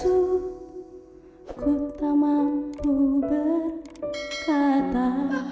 aku tak mampu berkata